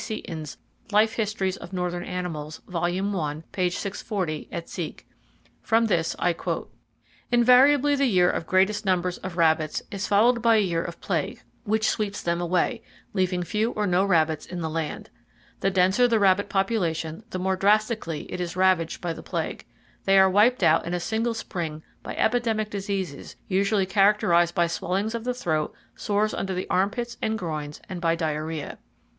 Seton's "Life Histories of Northern Animals", Vol. I, p. 640 et seq. From this I quote: "Invariably the year of greatest numbers [of rabbits] is followed by a year of plague, which sweeps them away, leaving few or no rabbits in the land. The denser the rabbit population, the more drastically is it [Page 86] ravaged by the plague. They are wiped out in a single spring by epidemic diseases usually characterized by swellings of the throat, sores under the armpits and groins, and by diarrhea."